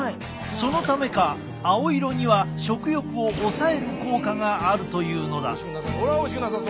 そのためか青色には食欲を抑える効果があるというのだ。